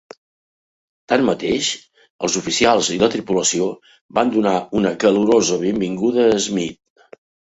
Tanmateix, els oficials i la tripulació van donar una calorosa benvinguda a Smith.